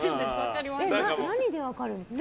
何で分かるんですか？